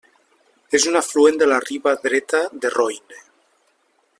És un afluent de la riba dreta de Roine.